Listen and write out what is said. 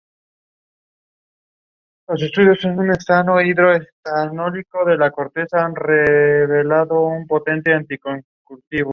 Anexa se fundó posteriormente una fábrica de fundas de paja para botellas.